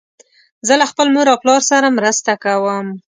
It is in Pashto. زه له خپل مور او پلار سره مرسته کوم.